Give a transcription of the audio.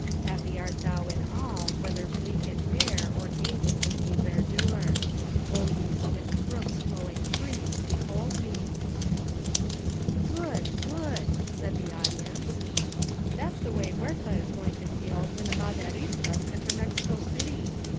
— happy art thou in all, whether bleak and bare, or gay with leafy verdure! O ye swift brooks flowing free, behold me! •..*' "Good! good!*' said the audience. "That's the way Huerta is going to feel when the Maderistas enter Mexico City!"